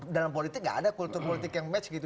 dalam politik gak ada kultur politik yang match gitu